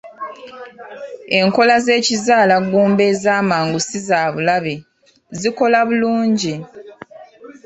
Enkola z'ekizaalaggumba ez'amangu si za bulabe, zikola bulungi.